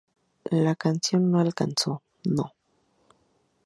La canción alcanzó No.